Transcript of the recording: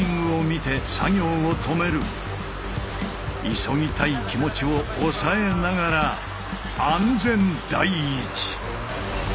急ぎたい気持ちを抑えながら安全第一！